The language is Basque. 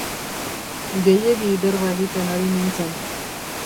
Gehiegi berba egiten ari nintzen.